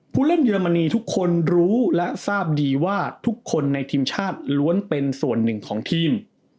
ผู้เล่นเยอรมนีทุกคนรู้และทราบดีว่าทุกคนในทีมชาติล้วนเป็นส่วนหนึ่งของทีม